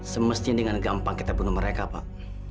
semestinya dengan gampang kita bunuh mereka pak